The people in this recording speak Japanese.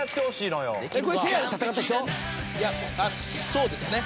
「そうですね